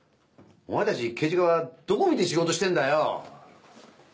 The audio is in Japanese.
お前たち刑事課はどこ見て仕事してんだよ！